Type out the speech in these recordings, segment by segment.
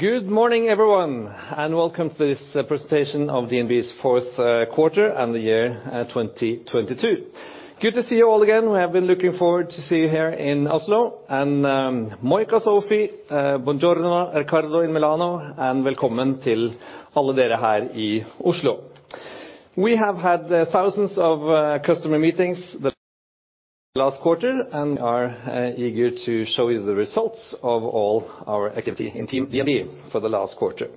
Good morning, everyone, and welcome to this presentation of DNB's fourth quarter and the year 2022. Good to see you all again. We have been looking forward to see you here in Oslo. Sofie, Riccardo in Milano. We have had thousands of customer meetings that last quarter, and are eager to show you the results of all our activity in Team DNB for the last quarter.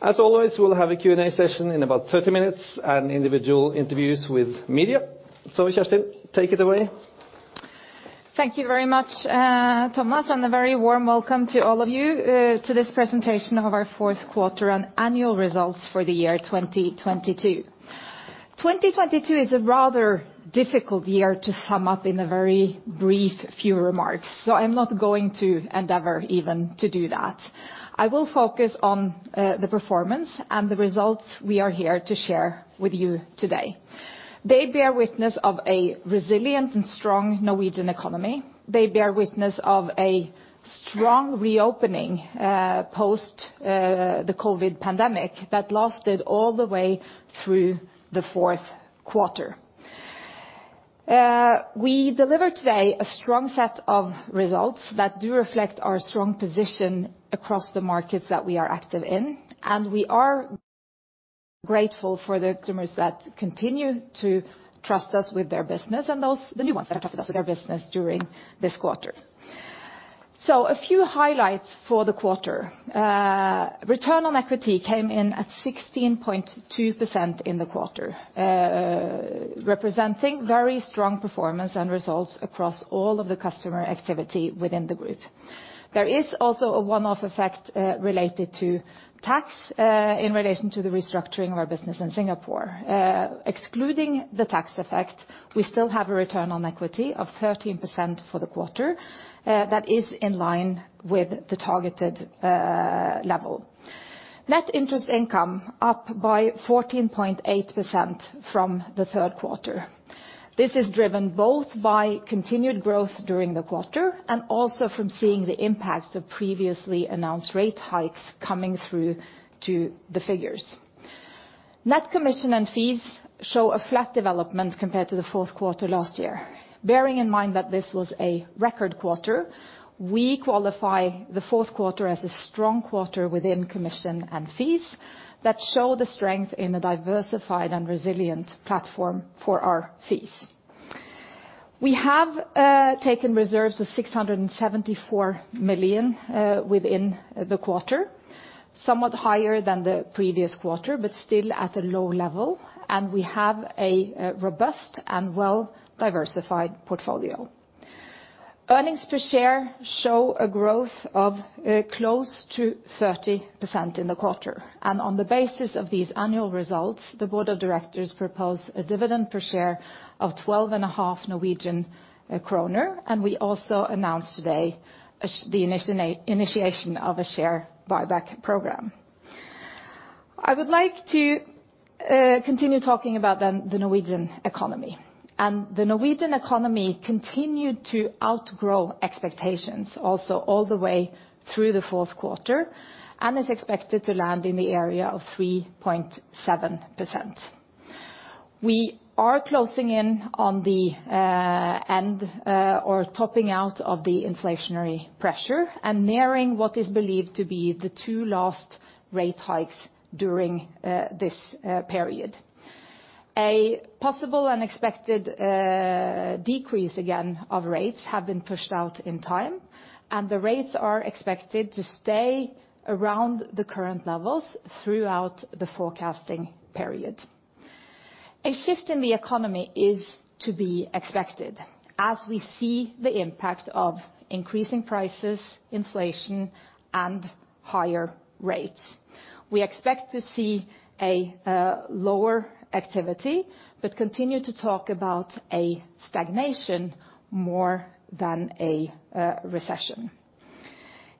As always, we'll have a Q&A session in about 30 minutes, and individual interviews with media. Kjerstin Braathen take it away. Thank you very much, Thomas, a very warm welcome to all of you to this presentation of our fourth quarter and annual results for the year 2022. 2022 is a rather difficult year to sum up in a very brief few remarks. I'm not going to endeavor even to do that. I will focus on the performance and the results we are here to share with you today. They bear witness of a resilient and strong Norwegian economy. They bear witness of a strong reopening, post the COVID pandemic that lasted all the way through the fourth quarter. We deliver today a strong set of results that do reflect our strong position across the markets that we are active in, and we are grateful for the customers that continue to trust us with their business and those, the new ones that have trusted us with their business during this quarter. A few highlights for the quarter. Return on equity came in at 16.2% in the quarter, representing very strong performance and results across all of the customer activity within the group. There is also a one-off effect, related to tax, in relation to the restructuring of our business in Singapore. Excluding the tax effect, we still have a return on equity of 13% for the quarter. That is in line with the targeted level. Net interest income up by 14.8% from the third quarter. This is driven both by continued growth during the quarter and also from seeing the impacts of previously announced rate hikes coming through to the figures. Net commission and fees show a flat development compared to the fourth quarter last year. Bearing in mind that this was a record quarter, we qualify the fourth quarter as a strong quarter within commission and fees that show the strength in a diversified and resilient platform for our fees. We have taken reserves of 674 million within the quarter, somewhat higher than the previous quarter, but still at a low level, and we have a robust and well-diversified portfolio. Earnings per share show a growth of close to 30% in the quarter. On the basis of these annual results, the board of directors propose a dividend per share of 12.5 Norwegian kroner, and we also announced today the initiation of a share buyback program. I would like to continue talking about then the Norwegian economy. The Norwegian economy continued to outgrow expectations also all the way through the fourth quarter, and is expected to land in the area of 3.7%. We are closing in on the end or topping out of the inflationary pressure and nearing what is believed to be the two last rate hikes during this period. A possible and expected decrease again of rates have been pushed out in time, and the rates are expected to stay around the current levels throughout the forecasting period. A shift in the economy is to be expected as we see the impact of increasing prices, inflation, and higher rates. We expect to see a lower activity, but continue to talk about a stagnation more than a recession.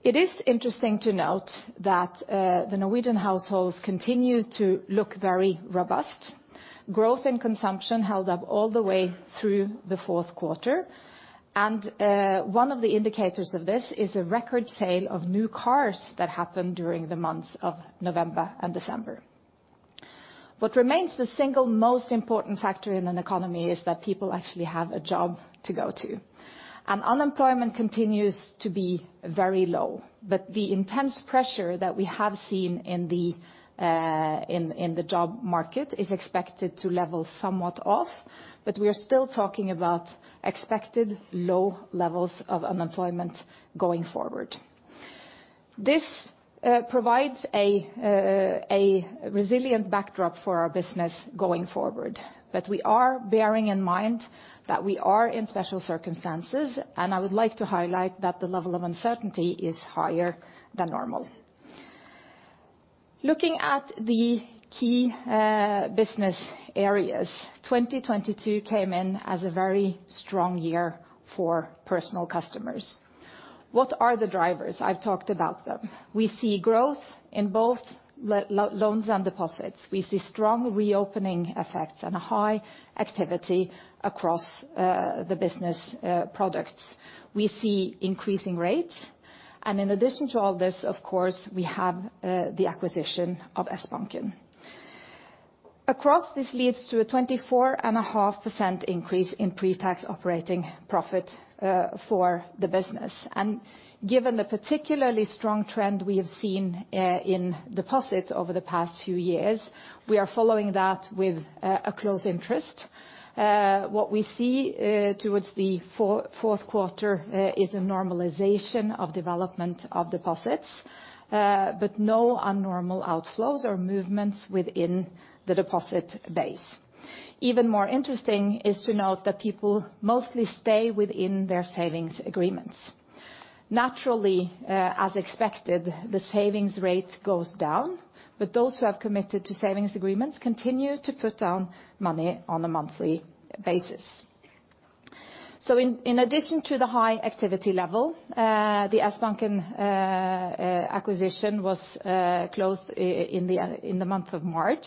It is interesting to note that the Norwegian households continue to look very robust. Growth and consumption held up all the way through the fourth quarter. One of the indicators of this is a record sale of new cars that happened during the months of November and December. What remains the single most important factor in an economy is that people actually have a job to go to, and unemployment continues to be very low. The intense pressure that we have seen in the job market is expected to level somewhat off. We are still talking about expected low levels of unemployment going forward. This provides a resilient backdrop for our business going forward. We are bearing in mind that we are in special circumstances. I would like to highlight that the level of uncertainty is higher than normal. Looking at the key business areas, 2022 came in as a very strong year for personal customers. What are the drivers? I've talked about them. We see growth in both loans and deposits. We see strong reopening effects and a high activity across the business products. We see increasing rates. In addition to all this, of course, we have the acquisition of Sbanken. Across, this leads to a 24.5% increase in pre-tax operating profit for the business. Given the particularly strong trend we have seen in deposits over the past few years, we are following that with a close interest. What we see towards the fourth quarter is a normalization of development of deposits, but no unnormal outflows or movements within the deposit base. Even more interesting is to note that people mostly stay within their savings agreements. Naturally, as expected, the savings rate goes down, but those who have committed to savings agreements continue to put down money on a monthly basis. In addition to the high activity level, the Sbanken acquisition was closed in the month of March,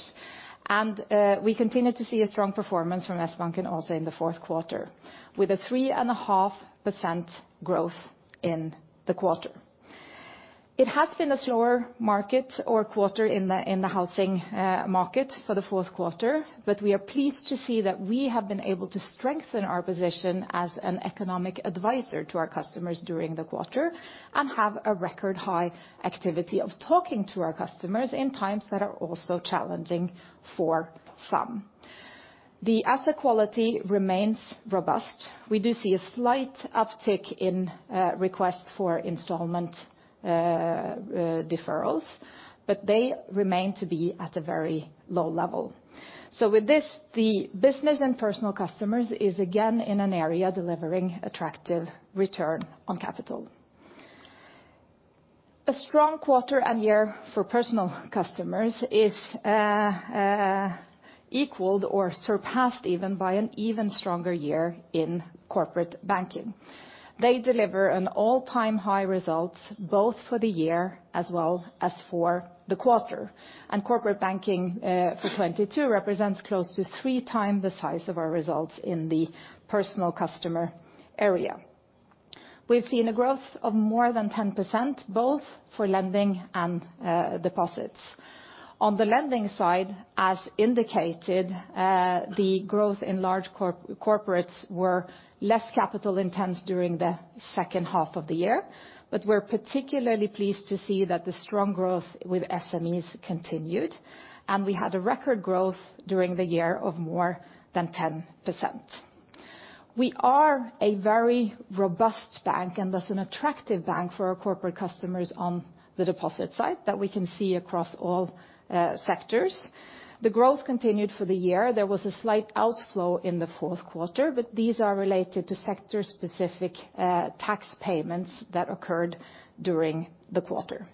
and we continue to see a strong performance from Sbanken also in the fourth quarter, with a 3.5% growth in the quarter. It has been a slower market or quarter in the housing market for the fourth quarter, but we are pleased to see that we have been able to strengthen our position as an economic advisor to our customers during the quarter and have a record high activity of talking to our customers in times that are also challenging for some. The asset quality remains robust. We do see a slight uptick in requests for installment deferrals, but they remain to be at a very low level. With this, the business and personal customers is again in an area delivering attractive return on capital. A strong quarter and year for personal customers is equaled or surpassed even by an even stronger year in corporate banking. They deliver an all-time high results both for the year as well as for the quarter. Corporate banking, for 2022 represents close to 3x the size of our results in the personal customer area. We've seen a growth of more than 10% both for lending and deposits. On the lending side, as indicated, the growth in large corporates were less capital intense during the second half of the year. We're particularly pleased to see that the strong growth with SMEs continued, and we had a record growth during the year of more than 10%. We are a very robust bank and thus an attractive bank for our corporate customers on the deposit side that we can see across all sectors. The growth continued for the year. There was a slight outflow in the fourth quarter, but these are related to sector-specific tax payments that occurred during the quarter.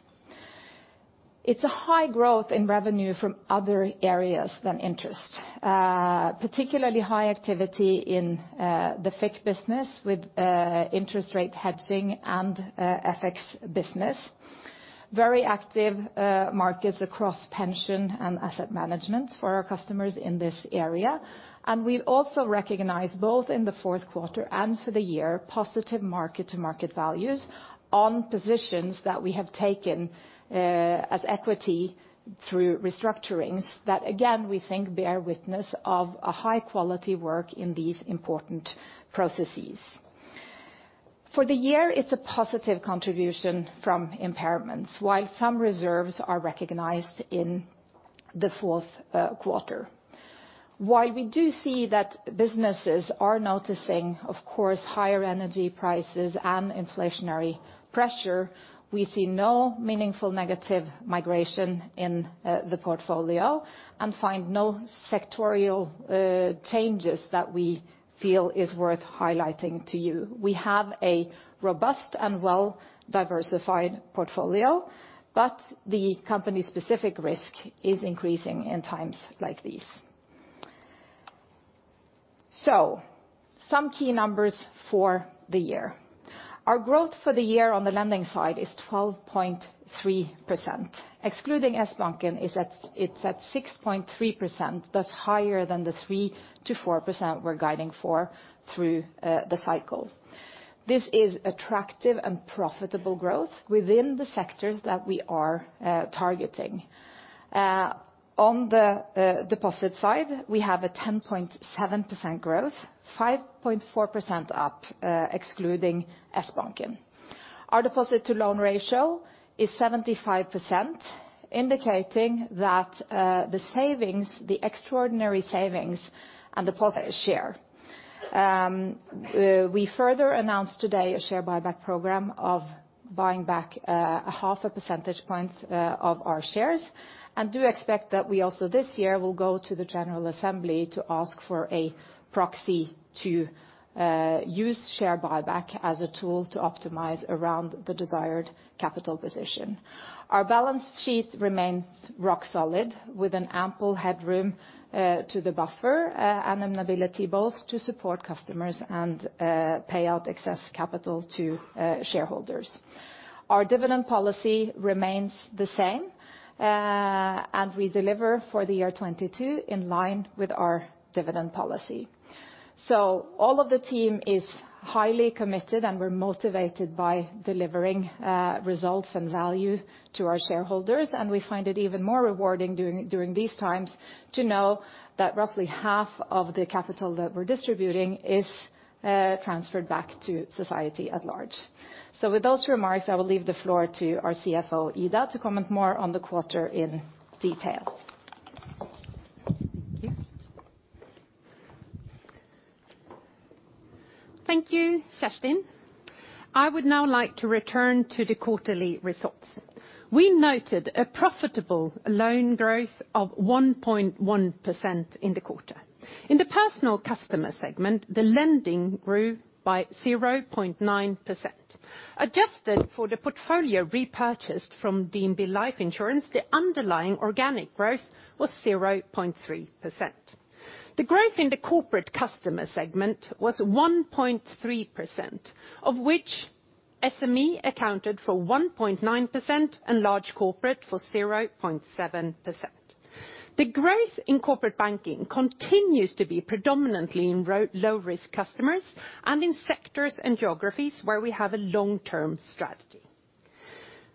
It's a high growth in revenue from other areas than interest. Particularly high activity in the FIC business with interest rate hedging and FX business. Very active markets across pension and asset management for our customers in this area. We've also recognized both in the fourth quarter and for the year positive market-to-market values on positions that we have taken as equity through restructurings that again, we think bear witness of a high quality work in these important processes. For the year, it's a positive contribution from impairments, while some reserves are recognized in the fourth quarter. While we do see that businesses are noticing, of course, higher energy prices and inflationary pressure, we see no meaningful negative migration in the portfolio and find no sectorial changes that we feel is worth highlighting to you. We have a robust and well-diversified portfolio, but the company's specific risk is increasing in times like these. Some key numbers for the year. Our growth for the year on the lending side is 12.3%. Excluding Sbanken, it's at 6.3%, thus higher than the 3%-4% we're guiding for through the cycle. This is attractive and profitable growth within the sectors that we are targeting. On the deposit side, we have a 10.7% growth, 5.4% up, excluding Sbanken. Our deposit to loan ratio is 75%, indicating that the savings, the extraordinary savings and deposit share. We further announced today a share buyback program of buying back half a percentage points of our shares, and do expect that we also this year will go to the general assembly to ask for a proxy to use share buyback as a tool to optimize around the desired capital position. Our balance sheet remains rock solid, with an ample headroom to the buffer and an ability both to support customers and pay out excess capital to shareholders. Our dividend policy remains the same, and we deliver for the year 2022 in line with our dividend policy. All of the team is highly committed, and we're motivated by delivering results and value to our shareholders, and we find it even more rewarding during these times to know that roughly half of the capital that we're distributing is transferred back to society at large. With those remarks, I will leave the floor to our CFO, Ida, to comment more on the quarter in detail. Thank you, Kjerstin. I would now like to return to the quarterly results. We noted a profitable loan growth of 1.1% in the quarter. In the personal customer segment, the lending grew by 0.9%. Adjusted for the portfolio repurchased from DNB Livsforsikring, the underlying organic growth was 0.3%. The growth in the corporate customer segment was 1.3%, of which SME accounted for 1.9% and large corporate for 0.7%. The growth in corporate banking continues to be predominantly in low-risk customers and in sectors and geographies where we have a long-term strategy.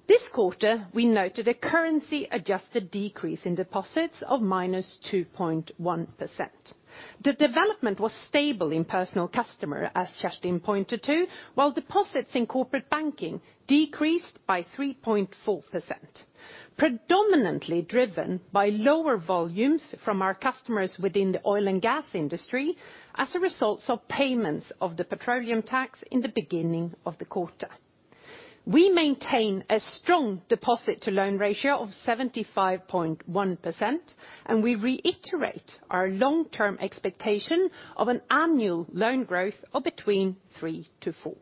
This quarter, we noted a currency adjusted decrease in deposits of -2.1%. The development was stable in personal customer, as Kjerstin pointed to, while deposits in corporate banking decreased by 3.4%, predominantly driven by lower volumes from our customers within the oil and gas industry as a result of payments of the petroleum tax in the beginning of the quarter. We maintain a strong deposit to loan ratio of 75.1%, and we reiterate our long-term expectation of an annual loan growth of between 3%-4%.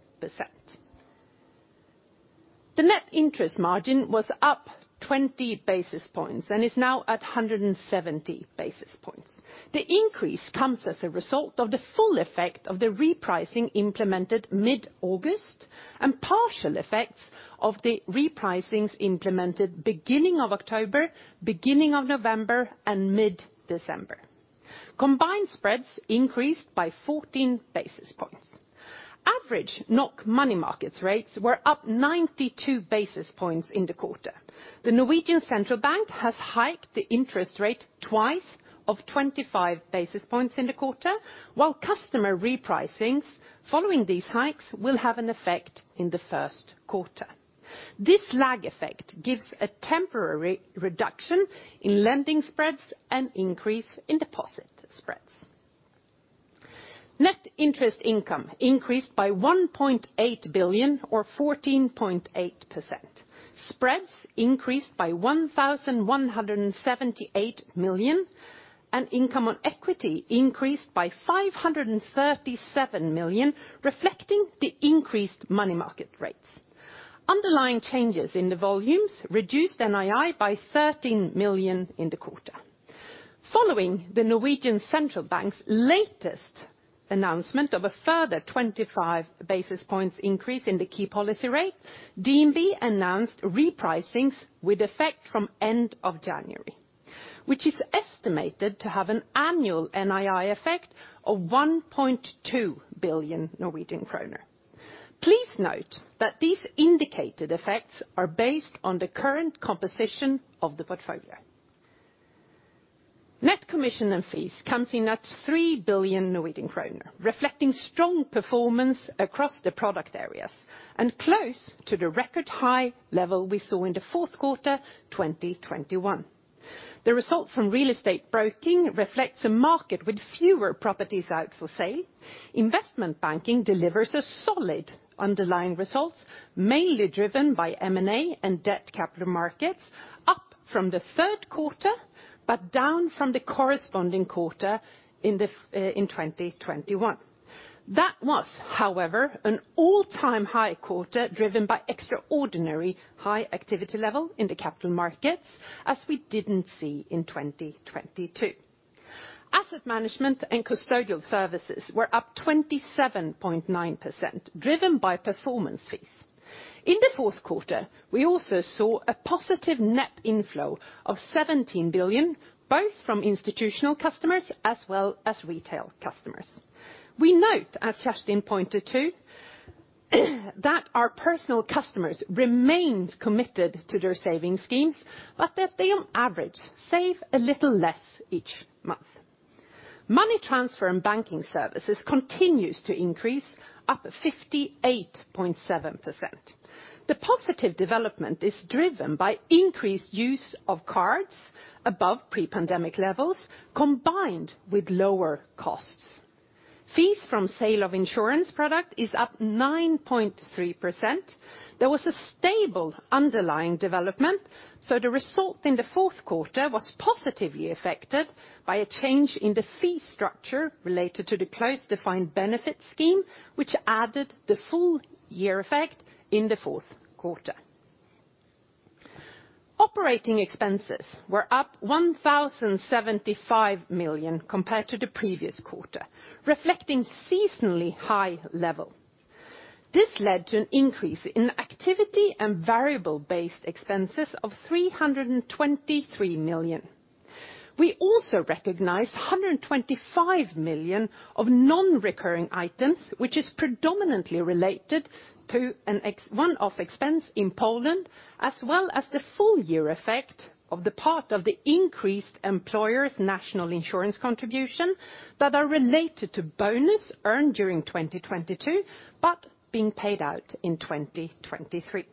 The net interest margin was up 20 basis points and is now at 170 basis points. The increase comes as a result of the full effect of the repricing implemented mid-August and partial effects of the repricings implemented beginning of October, beginning of November, and mid-December. Combined spreads increased by 14 basis points. Average NOK money markets rates were up 92 basis points in the quarter. Norges Bank has hiked the interest rate twice of 25 basis points in the quarter, while customer repricings following these hikes will have an effect in the first quarter. This lag effect gives a temporary reduction in lending spreads and increase in deposit spreads. net interest income increased by 1.8 billion or 14.8%. Spreads increased by 1,178 million, and income on equity increased by 537 million, reflecting the increased money market rates. Underlying changes in the volumes reduced NII by 13 million in the quarter. Following Norges Bank's latest announcement of a further 25 basis points increase in the key policy rate, DNB announced repricings with effect from end of January, which is estimated to have an annual NII effect of 1.2 billion Norwegian kroner. Please note that these indicated effects are based on the current composition of the portfolio. Net commission and fees comes in at 3 billion Norwegian kroner, reflecting strong performance across the product areas and close to the record high level we saw in the fourth quarter, 2021. The result from real estate broking reflects a market with fewer properties out for sale. Investment banking delivers a solid underlying results, mainly driven by M&A and debt capital markets up from the third quarter. Down from the corresponding quarter in 2021. That was, however, an all-time high quarter driven by extraordinary high activity level in the capital markets as we didn't see in 2022. Asset management and custodial services were up 27.9%, driven by performance fees. In the fourth quarter, we also saw a positive net inflow of 17 billion, both from institutional customers as well as retail customers. We note, as Kjerstin pointed to, that our personal customers remained committed to their saving schemes, but that they on average save a little less each month. Money transfer and banking services continues to increase, up 58.7%. The positive development is driven by increased use of cards above pre-pandemic levels combined with lower costs. Fees from sale of insurance product is up 9.3%. There was a stable underlying development. The result in the fourth quarter was positively affected by a change in the fee structure related to the closed defined benefit scheme, which added the full year effect in the fourth quarter. Operating expenses were up 1,075 million compared to the previous quarter, reflecting seasonally high level. This led to an increase in activity and variable-based expenses of 323 million. We also recognized 125 million of non-recurring items, which is predominantly related to an ex- one-off expense in Poland, as well as the full year effect of the part of the increased employer's national insurance contribution that are related to bonus earned during 2022, but being paid out in 2023.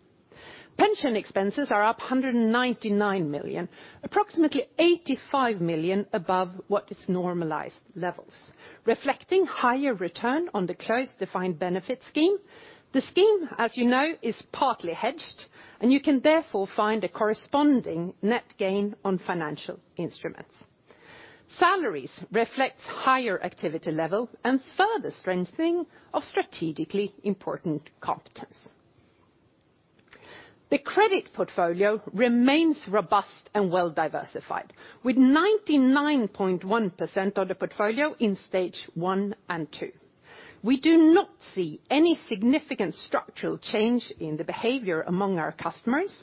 Pension expenses are up 199 million, approximately 85 million above what is normalized levels, reflecting higher return on the closed defined benefit scheme. The scheme, as you know, is partly hedged, and you can therefore find a corresponding net gain on financial instruments. Salaries reflects higher activity level and further strengthening of strategically important competence. The credit portfolio remains robust and well diversified, with 99.1% of the portfolio in Stage one and two. We do not see any significant structural change in the behavior among our customers,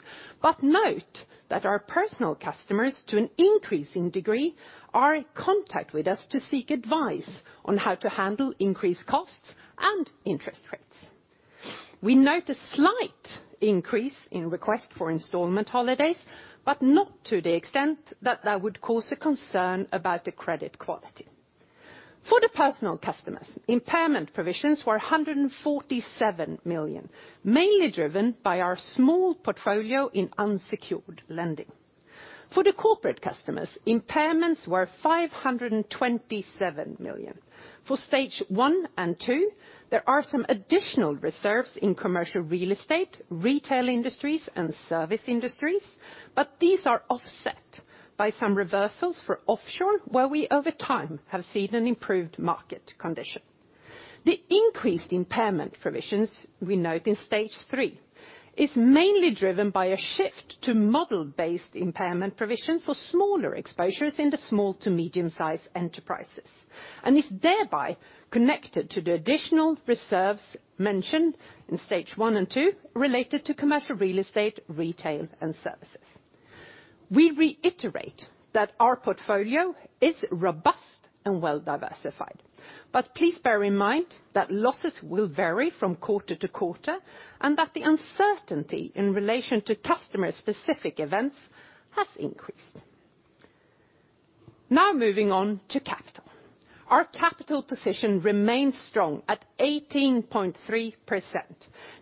but note that our personal customers, to an increasing degree, are in contact with us to seek advice on how to handle increased costs and interest rates. We note a slight increase in request for installment holidays, but not to the extent that that would cause a concern about the credit quality. For the personal customers, impairment provisions were 147 million, mainly driven by our small portfolio in unsecured lending. For the corporate customers, impairments were 527 million. For Stage one and two, there are some additional reserves in commercial real estate, retail industries, and service industries, but these are offset by some reversals for offshore, where we over time have seen an improved market condition. The increased impairment provisions we note in Stage three is mainly driven by a shift to model-based impairment provision for smaller exposures in the small to medium-sized enterprises, and is thereby connected to the additional reserves mentioned in Stage one and Stage two related to commercial real estate, retail, and services. Please bear in mind that losses will vary from quarter to quarter, and that the uncertainty in relation to customer-specific events has increased. Moving on to capital. Our capital position remains strong at 18.3%.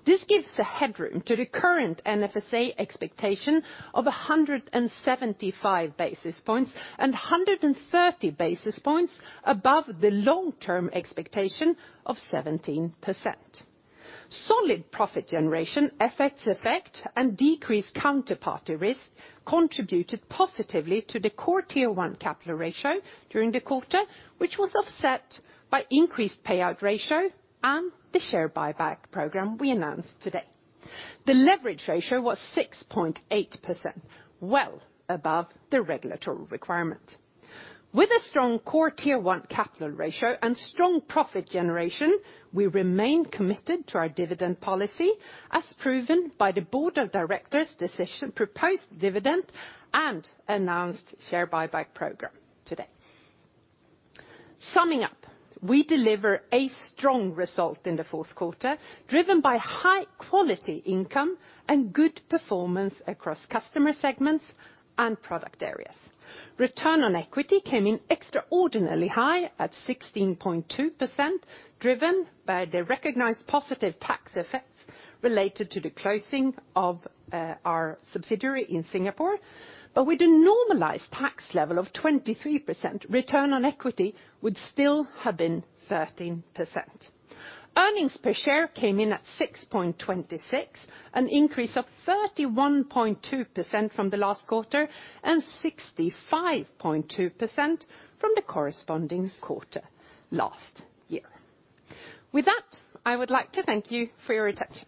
This gives a headroom to the current NFSA expectation of 175 basis points, and 130 basis points above the long-term expectation of 17%. Solid profit generation, FX effect, and decreased counterparty risk contributed positively to the core Tier one capital ratio during the quarter, which was offset by increased payout ratio and the share buyback program we announced today. The leverage ratio was 6.8%, well above the regulatory requirement. With a strong core Tier one capital ratio and strong profit generation, we remain committed to our dividend policy, as proven by the board of directors' decision, proposed dividend, and announced share buyback program today. Summing up, we deliver a strong result in the fourth quarter, driven by high quality income and good performance across customer segments and product areas. Return on equity came in extraordinarily high at 16.2%, driven by the recognized positive tax effects related to the closing of our subsidiary in Singapore. With a normalized tax level of 23%, return on equity would still have been 13%. Earnings per share came in at 6.26, an increase of 31.2% from the last quarter, and 65.2% from the corresponding quarter last year. With that, I would like to thank you for your attention.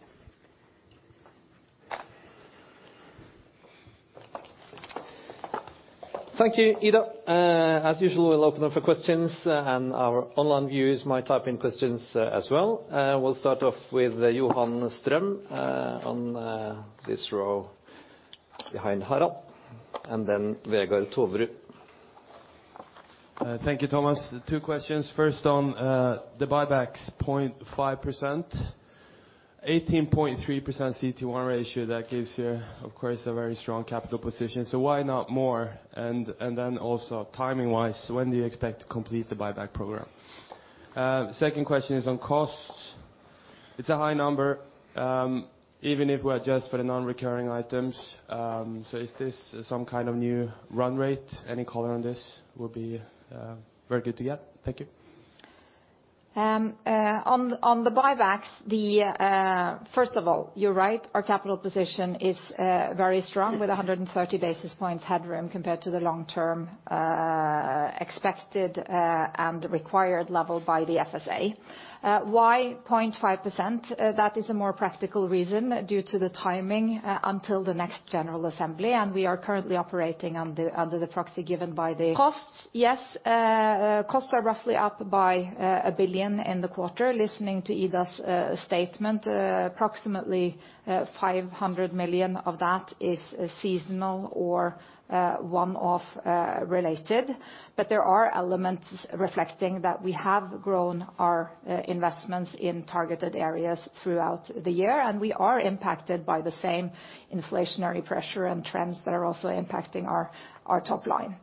Thank you, Ida. As usual, we'll open up for questions, and our online viewers might type in questions as well. We'll start off with Johan Strøm, on this row behind Harald, and then Vegard Toverud. Thank you, Thomas. Two questions. First, on the buybacks, 0.5%. 18.3% CT1 ratio, that gives you, of course, a very strong capital position, so why not more? Then also timing-wise, when do you expect to complete the buyback program? Second question is on costs. It's a high number, even if we adjust for the non-recurring items, so is this some kind of new run rate? Any color on this will be very good to get. Thank you. On, on the buybacks, the, first of all, you're right, our capital position is very strong with 130 basis points headroom compared to the long-term, expected, and required level by the FSA. Why 0.5%? That is a more practical reason due to the timing until the next general assembly, and we are currently operating under the proxy. Costs, yes. Costs are roughly up by 1 billion in the quarter. Listening to Ida's statement, approximately 500 million of that is seasonal or one-off related. There are elements reflecting that we have grown our investments in targeted areas throughout the year, and we are impacted by the same inflationary pressure and trends that are also impacting our top line.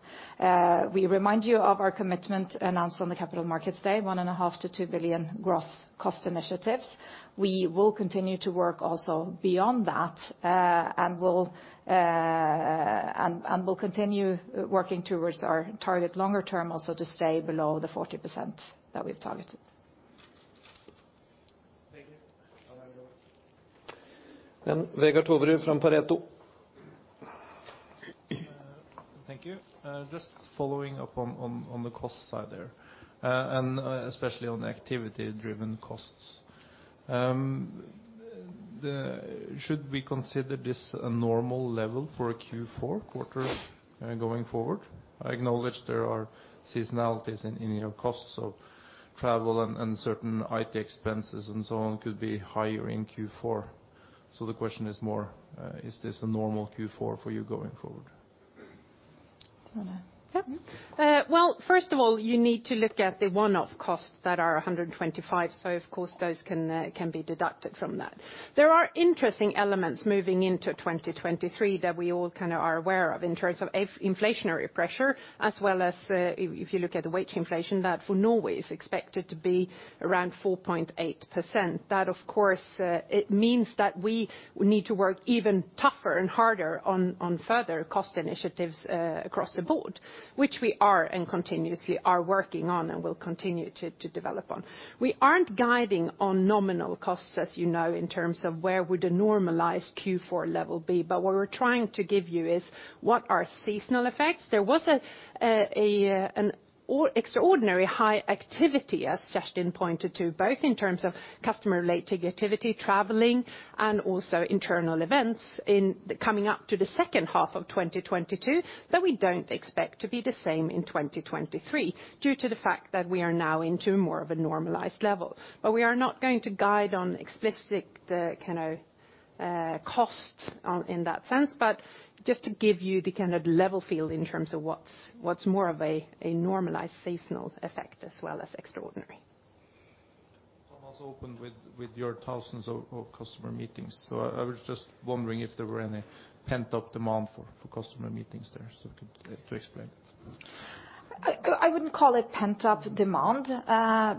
We remind you of our commitment announced on the capital markets day, 1.5-2 billion gross cost initiatives. We will continue to work also beyond that, and we'll continue working towards our target longer term also to stay below the 40% that we've targeted. Thank you. Vegard Toverud from Pareto. Thank you. Just following up on, on the cost side there, especially on the activity driven costs. Should we consider this a normal level for a Q4 quarter going forward? I acknowledge there are seasonalities in your costs, so travel and certain IT expenses and so on could be higher in Q4. The question is more, is this a normal Q4 for you going forward? Well, first of all, you need to look at the one-off costs that are 125, so of course, those can be deducted from that. There are interesting elements moving into 2023 that we all kinda are aware of in terms of if inflationary pressure, as well as, if you look at the wage inflation that for Norway is expected to be around 4.8%. That, of course, it means that we need to work even tougher and harder on further cost initiatives across the board, which we are and continuously are working on and will continue to develop on. We aren't guiding on nominal costs, as you know, in terms of where would a normalized Q4 level be, but what we're trying to give you is what are seasonal effects. There was an extraordinary high activity, as Kjerstin pointed to, both in terms of customer related activity, traveling, and also internal events coming up to the second half of 2022 that we don't expect to be the same in 2023 due to the fact that we are now into more of a normalized level. We are not going to guide on explicit, the kind of, cost on, in that sense, but just to give you the kind of level field in terms of what's more of a normalized seasonal effect as well as extraordinary. Thomas opened with your thousands of customer meetings. I was just wondering if there were any pent-up demand for customer meetings there. If you could to explain it. I wouldn't call it pent-up demand.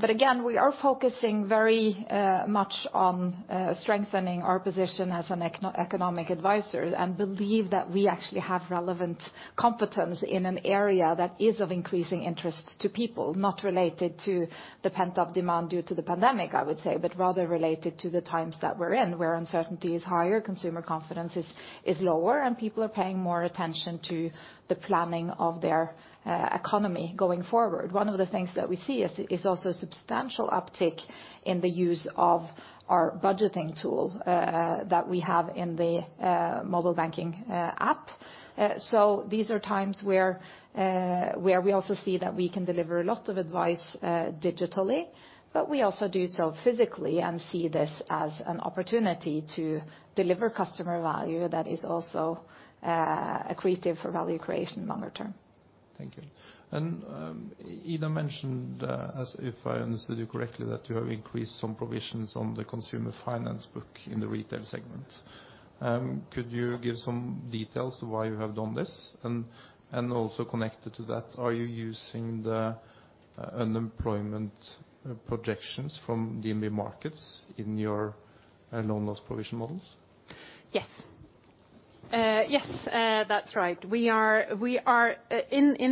Again, we are focusing very much on strengthening our position as an economic advisor, and believe that we actually have relevant competence in an area that is of increasing interest to people, not related to the pent-up demand due to the pandemic, I would say, but rather related to the times that we're in, where uncertainty is higher, consumer confidence is lower, and people are paying more attention to the planning of their economy going forward. One of the things that we see is also substantial uptick in the use of our budgeting tool that we have in the mobile banking app. These are times where we also see that we can deliver a lot of advice, digitally, but we also do so physically and see this as an opportunity to deliver customer value that is also accretive for value creation longer term. Thank you. Ida mentioned, as if I understood you correctly, that you have increased some provisions on the consumer finance book in the retail segment. Could you give some details why you have done this? Also connected to that, are you using the unemployment projections from DNB Markets in your loan loss provision models? Yes, that's right. In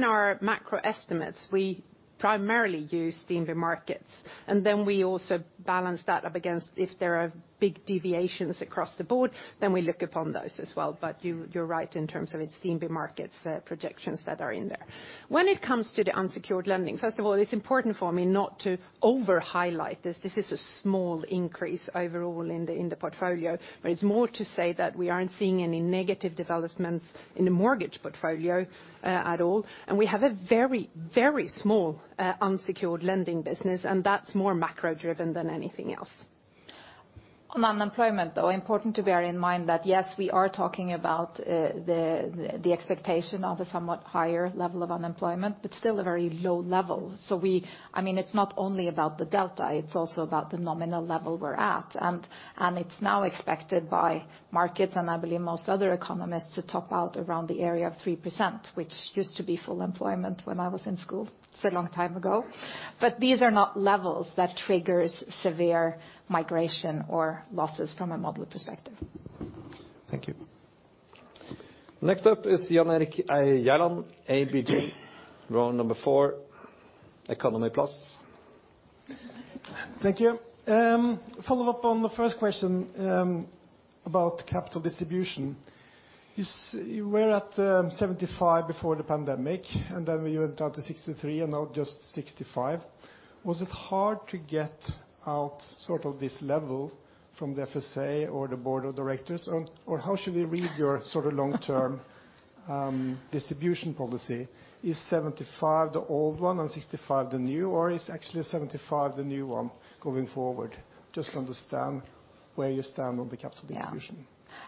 our macro estimates, we primarily use DNB Markets, and then we also balance that up against if there are big deviations across the board, then we look upon those as well. You're right in terms of it's DNB Markets projections that are in there. When it comes to the unsecured lending, first of all, it's important for me not to over-highlight this. This is a small increase overall in the portfolio, but it's more to say that we aren't seeing any negative developments in the mortgage portfolio at all, and we have a very small unsecured lending business, and that's more macro-driven than anything else. On unemployment, though, important to bear in mind that, yes, we are talking about the expectation of a somewhat higher level of unemployment, but still a very low level. I mean, it's not only about the delta, it's also about the nominal level we're at. It's now expected by markets, and I believe most other economists, to top out around the area of 3%, which used to be full employment when I was in school. It's a long time ago. These are not levels that triggers severe migration or losses from a model perspective. Thank you. Next up is Jan Erik Gjerland, ABG, row number four, economy plus. Thank you. Follow up on the first question about capital distribution. You were at 75% before the pandemic, and then when you went down to 63%, and now just 65%. Was it hard to get out sort of this level from the FSA or the Board of Directors? Or how should we read your sort of long-term distribution policy? Is 75% the old one and 65% the new, or is actually 75% the new one going forward? Just to understand where you stand on the capital distribution.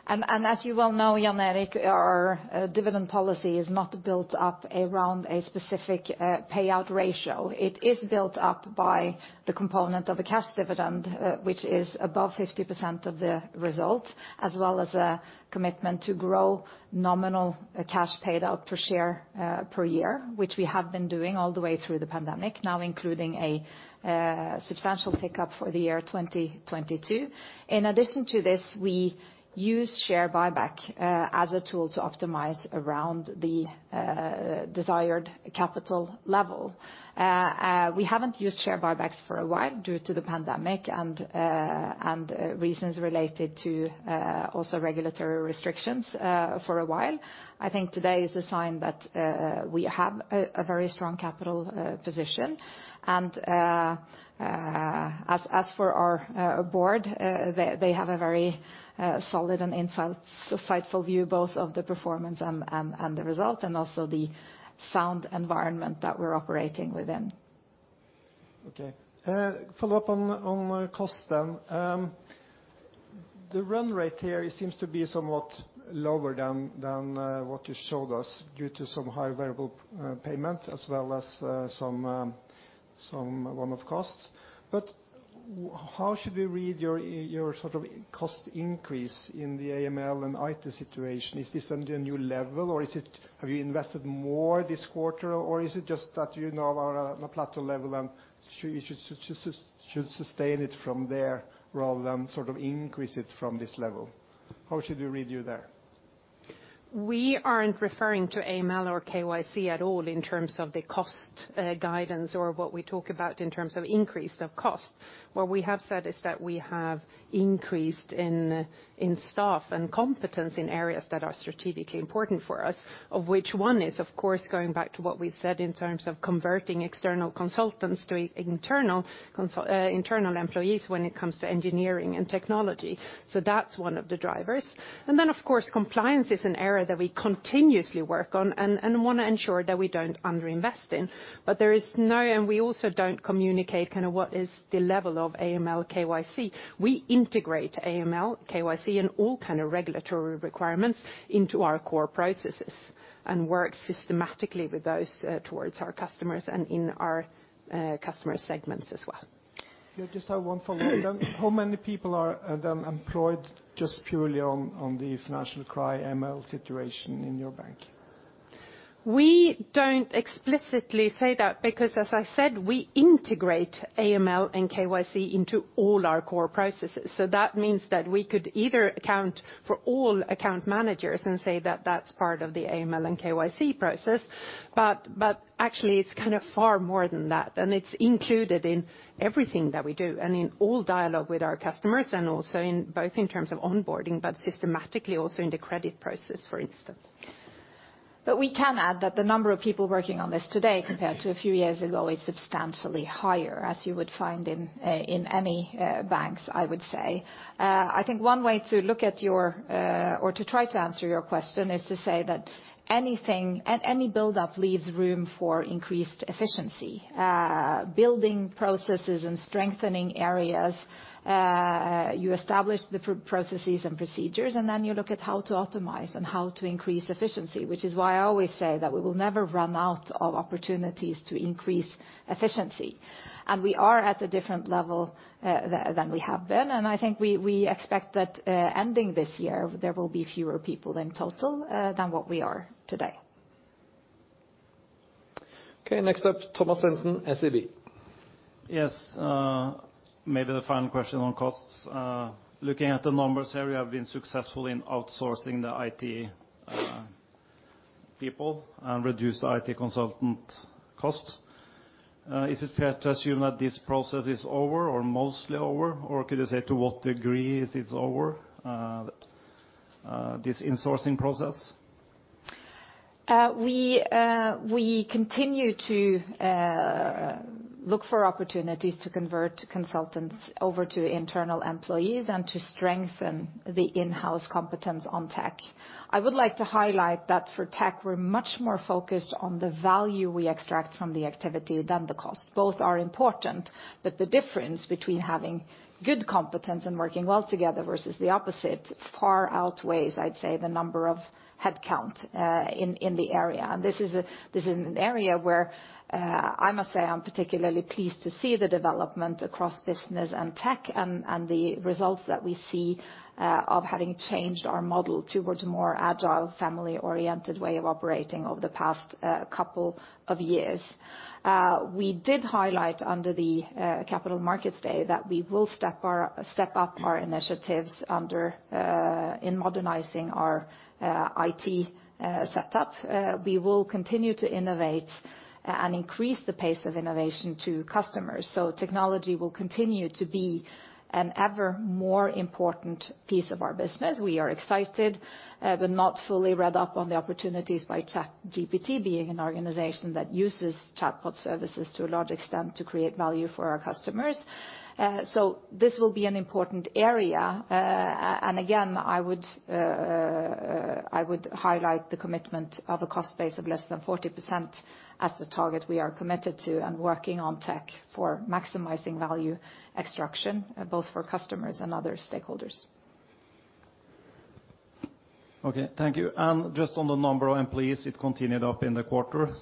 Yeah. As you well know, Jan Erik, our dividend policy is not built up around a specific payout ratio. It is built up by the component of a cash dividend, which is above 50% of the result, as well as a commitment to grow nominal cash paid out per share per year, which we have been doing all the way through the pandemic, now including a substantial pickup for the year 2022. In addition to this, we use share buyback as a tool to optimize around the desired capital level. We haven't used share buybacks for a while due to the pandemic and reasons related to also regulatory restrictions for a while. I think today is a sign that we have a very strong capital position. As for our board, they have a very solid and insightful view both of the performance and the result, and also the sound environment that we're operating within. Okay. Follow up on cost then. The run rate here seems to be somewhat lower than what you showed us due to some high variable payment as well as some one-off costs. How should we read your sort of cost increase in the AML and IT situation? Is this on a new level, or is it? Have you invested more this quarter, or is it just that you now are on a plateau level and should sustain it from there rather than sort of increase it from this level? How should we read you there? We aren't referring to AML or KYC at all in terms of the cost guidance or what we talk about in terms of increase of cost. What we have said is that we have increased in staff and competence in areas that are strategically important for us, of which one is, of course, going back to what we said in terms of converting external consultants to internal employees when it comes to engineering and technology. That's one of the drivers. Then of course, compliance is an area that we continuously work on and wanna ensure that we don't under-invest in. There is no... We also don't communicate kinda what is the level of AML, KYC. We integrate AML, KYC, and all kind of regulatory requirements into our core processes and work systematically with those, towards our customers and in our, customer segments as well. Yeah, just have one follow-up then. How many people are employed just purely on the financial crime AML situation in your bank? We don't explicitly say that because, as I said, we integrate AML and KYC into all our core processes. That means that we could either account for all account managers and say that's part of the AML and KYC process. Actually it's kind of far more than that, and it's included in everything that we do and in all dialogue with our customers and also in, both in terms of onboarding, but systematically also in the credit process, for instance. We can add that the number of people working on this today compared to a few years ago is substantially higher, as you would find in any banks, I would say. I think one way to look at your or to try to answer your question is to say that anything... Any buildup leaves room for increased efficiency. Building processes and strengthening areas, you establish the processes and procedures, and then you look at how to optimize and how to increase efficiency, which is why I always say that we will never run out of opportunities to increase efficiency. We are at a different level, than we have been. I think we expect that, ending this year, there will be fewer people in total, than what we are today. Okay, next up, Thomas Svendsen, SEB. Yes. Maybe the final question on costs. Looking at the numbers here, you have been successful in outsourcing the IT people and reduced IT consultant costs. Is it fair to assume that this process is over or mostly over, or could you say to what degree it is over, this insourcing process? We continue to look for opportunities to convert consultants over to internal employees, and to strengthen the in-house competence on tech. I would like to highlight that for tech, we're much more focused on the value we extract from the activity than the cost. Both are important, but the difference between having good competence and working well together versus the opposite far outweighs, I'd say, the number of headcount in the area. This is an area where I must say I'm particularly pleased to see the development across business and tech and the results that we see of having changed our model towards a more agile, family-oriented way of operating over the past couple of years. We did highlight under the capital markets day that we will step up our initiatives in modernizing our IT setup. We will continue to innovate and increase the pace of innovation to customers. Technology will continue to be an ever more important piece of our business. We are excited, but not fully read up on the opportunities by ChatGPT being an organization that uses chatbot services to a large extent to create value for our customers. This will be an important area. Again, I would highlight the commitment of a cost base of less than 40% as the target we are committed to and working on tech for maximizing value extraction, both for customers and other stakeholders. Okay, thank you. Just on the number of employees, it continued up in the quarter.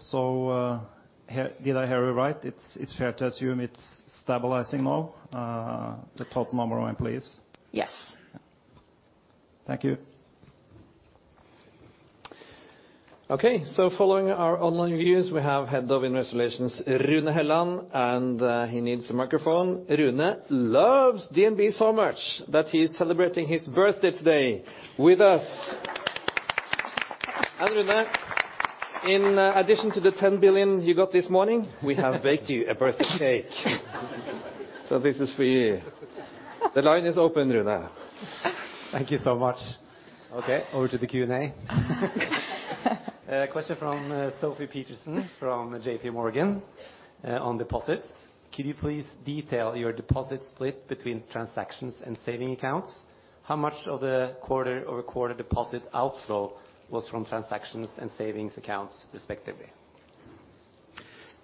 did I hear you right? It's fair to assume it's stabilizing now, the total number of employees? Yes. Thank you. Following our online viewers, we have Head of Investor Relations, Rune Helland, he needs a microphone. Rune loves DNB so much that he's celebrating his birthday today with us. Rune, in addition to the 10 billion you got this morning, we have baked you a birthday cake. This is for you. The line is open, Rune. Thank you so much. Okay, over to the Q&A. A question from Sofie Peterzens from J.P. Morgan, on deposits. Could you please detail your deposit split between transactions and saving accounts? How much of the quarter-over-quarter deposit outflow was from transactions and savings accounts, respectively?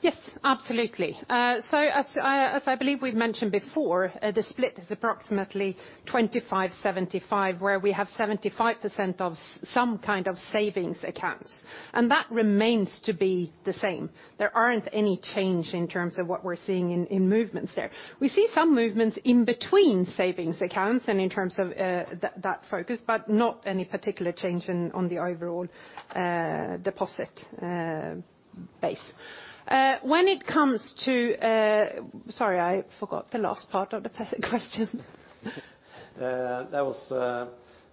Yes, absolutely. As I believe we've mentioned before, the split is approximately 25, 75, where we have 75% of some kind of savings accounts. That remains to be the same. There aren't any change in terms of what we're seeing in movements there. We see some movements in between savings accounts and in terms of that focus, not any particular change on the overall deposit base. When it comes to... Sorry, I forgot the last part of the question. That was,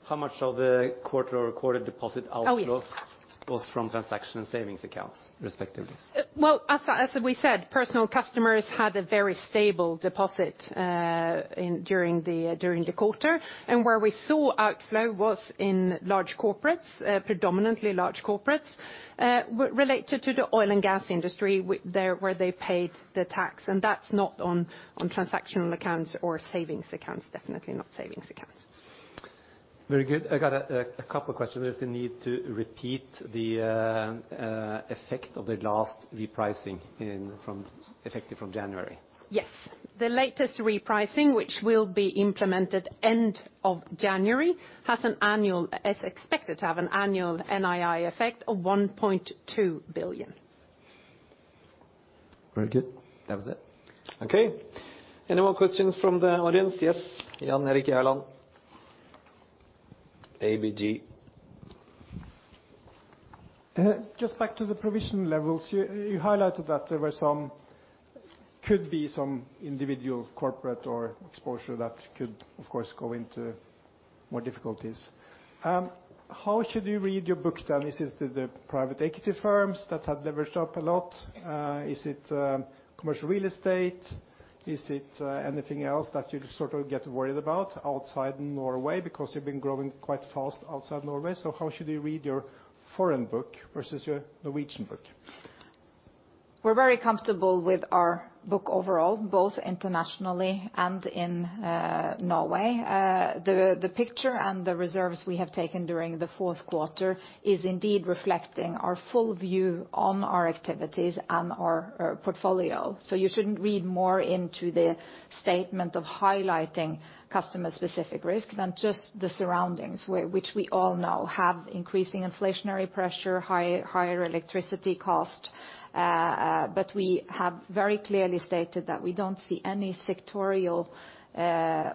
how much of the quarter-over-quarter deposit outflow. Oh, yes. ...was from transaction and savings accounts, respectively? Well, as I, as we said, personal customers had a very stable deposit, in, during the quarter. Where we saw outflow was in large corporates, predominantly large corporates, related to the oil and gas industry there, where they paid the tax, that's not on transactional accounts or savings accounts, definitely not savings accounts. Very good. I got a couple questions. There's the need to repeat the effect of the last repricing in, from, effective from January. Yes. The latest repricing, which will be implemented end of January, is expected to have an annual NII effect of 1.2 billion. Very good. That was it. Okay. Any more questions from the audience? Yes, Jan Erik Gjerland, ABG. Just back to the provision levels. You highlighted that there were some, could be some individual corporate or exposure that could, of course, go into more difficulties. How should you read your book down? Is it the private equity firms that have leveraged up a lot? Is it commercial real estate? Is it anything else that you sort of get worried about outside Norway? You've been growing quite fast outside Norway. How should you read your foreign book versus your Norwegian book? able with our book overall, both internationally and in Norway. The picture and the reserves we have taken during the fourth quarter is indeed reflecting our full view on our activities and our portfolio. You shouldn't read more into the statement of highlighting customer specific risk than just the surroundings, which we all know have increasing inflationary pressure, higher electricity cost. But we have very clearly stated that we don't see any sectorial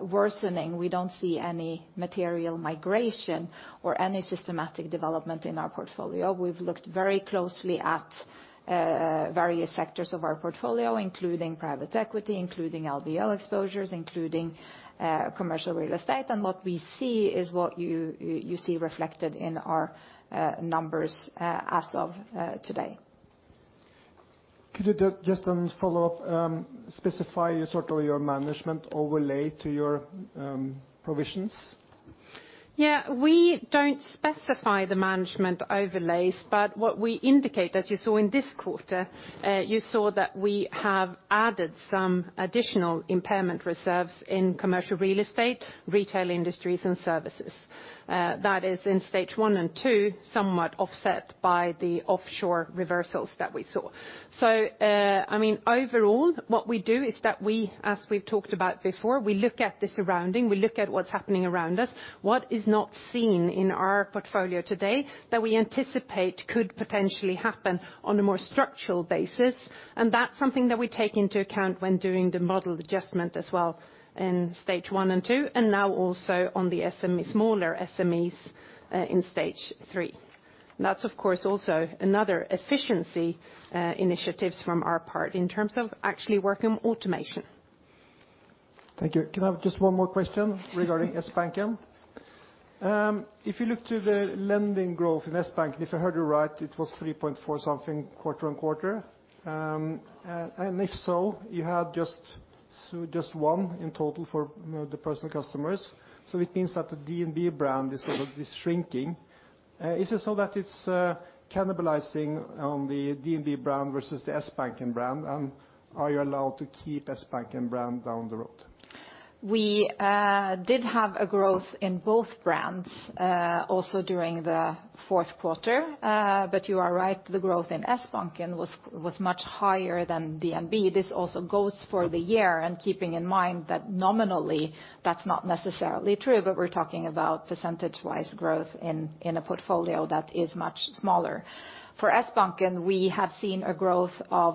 worsening. We don't see any material migration or any systematic development in our portfolio. We've looked very closely at various sectors of our portfolio, including private equity, including LBO exposures, including commercial real estate. And what we see is what you see reflected in our numbers as of today Could you just follow up, specify sort of your management overlay to your provisions? Yeah, we don't specify the management overlays, but what we indicate, as you saw in this quarter, you saw that we have added some additional impairment reserves in commercial real estate, retail industries and services. That is in Stage one and two, somewhat offset by the offshore reversals that we saw. I mean, overall what we do is that we, as we've talked about before, we look at the surrounding, we look at what's happening around us, what is not seen in our portfolio today that we anticipate could potentially happen on a more structural basis, and that's something that we take into account when doing the model adjustment as well in Stage one and two, and now also on the SME, smaller SMEs, in Stage three. That's of course also another efficiency, initiatives from our part in terms of actually working on automation. Thank you. Can I have just one more question regarding Sbanken? If you look to the lending growth in Sbanken, if I heard you right, it was 3.4% something quarter-on-quarter. If so, you had just 1% in total for, you know, the personal customers, so it means that the DNB brand is sort of this shrinking. Is it so that it's cannibalizing on the DNB brand versus the Sbanken brand? Are you allowed to keep Sbanken brand down the road? We did have a growth in both brands, also during the fourth quarter. You are right, the growth in Sbanken was much higher than DNB. This also goes for the year, and keeping in mind that nominally that's not necessarily true, but we're talking about percentage-wise growth in a portfolio that is much smaller. For Sbanken, we have seen a growth of,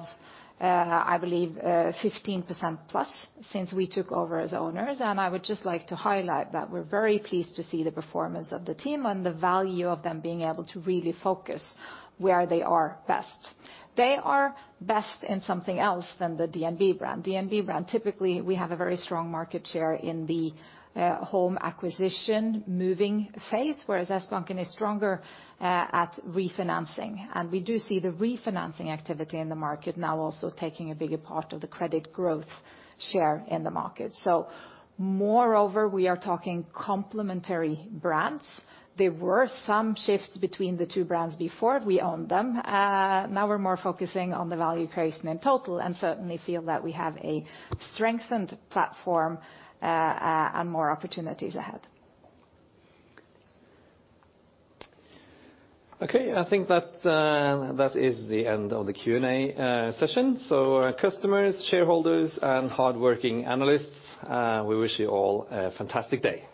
I believe, 15%+ since we took over as owners, and I would just like to highlight that we're very pleased to see the performance of the team and the value of them being able to really focus where they are best. They are best in something else than the DNB brand. DNB brand, typically, we have a very strong market share in the home acquisition moving phase, whereas Sbanken is stronger at refinancing. We do see the refinancing activity in the market now also taking a bigger part of the credit growth share in the market. Moreover, we are talking complementary brands. There were some shifts between the two brands before we owned them. Now we're more focusing on the value creation in total, and certainly feel that we have a strengthened platform and more opportunities ahead. Okay. I think that is the end of the Q&A session. Customers, shareholders and hardworking analysts, we wish you all a fantastic day.